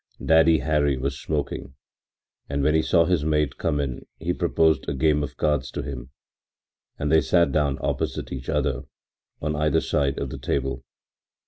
Daddy Hari was smoking, and when he saw his mate come in he proposed a game of cards to him, and they sat down opposite each other, on either side of the table.